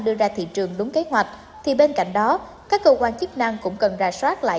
đưa ra thị trường đúng kế hoạch thì bên cạnh đó các cơ quan chức năng cũng cần ra soát lại